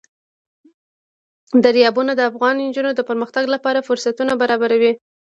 دریابونه د افغان نجونو د پرمختګ لپاره فرصتونه برابروي.